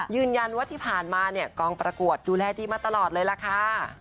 ยืนยันว่าที่ผ่านมาเนี่ยกองประกวดดูแลดีมาตลอดเลยล่ะค่ะ